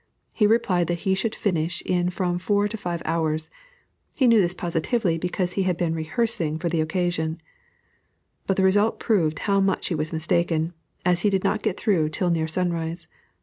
He replied that he should finish in from four to five hours; "he knew this positively because he had been rehearsing for the occasion;" but the result proved how much he was mistaken, as he did not get through till near sunrise.